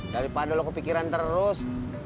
daripada lo kepikiran terus